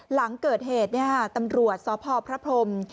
หลังเกิดเหตุตำรวจสพพระพรม